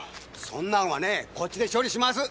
そんなんはねぇこっちで処理します！